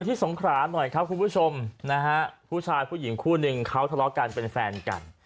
สงขราหน่อยครับคุณผู้ชมนะฮะผู้ชายผู้หญิงคู่หนึ่งเขาทะเลาะกันเป็นแฟนกัน